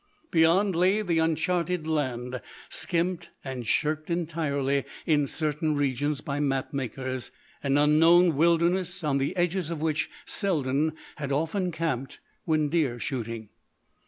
Beyond lay the uncharted land, skimped and shirked entirely in certain regions by map makers;—an unknown wilderness on the edges of which Selden had often camped when deer shooting.